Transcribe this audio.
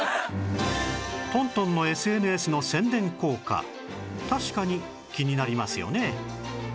東東の ＳＮＳ の宣伝効果確かに気になりますよね